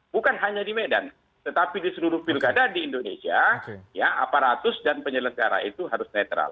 bukan hanya di medan tetapi di seluruh pilkada di indonesia ya aparatus dan penyelenggara itu harus netral